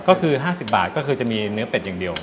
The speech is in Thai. ก็คือ๕๐บาทก็คือจะมีเนื้อเป็ดอย่างเดียว